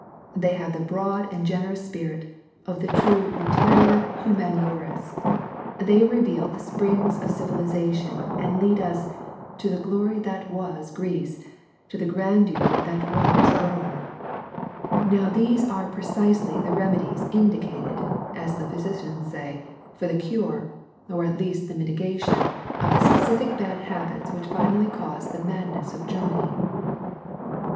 ' They have the broad and generous spirit of the true literoB humaniores. They reveal the springs of civilization and lead us — *To the glory that was Greece, To the grandeur that was Rome.' 195 THE VALLEY OF VISION Now these are precisely the remedies 'indicated/ as the physicians say, for the cure» or at least the mitigation^ of the specific bad habits which finally caused the madness of Germany."